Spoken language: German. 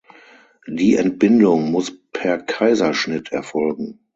Die Entbindung muss per Kaiserschnitt erfolgen.